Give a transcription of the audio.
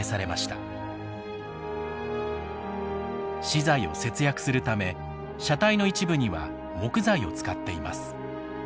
資材を節約するため車体の一部には木材を使っています。